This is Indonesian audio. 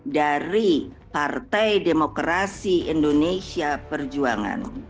dari partai demokrasi indonesia perjuangan